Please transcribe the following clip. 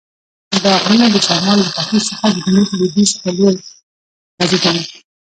دا غرونه د شمال له ختیځ څخه د جنوب لویدیځ په لور غزیدلي.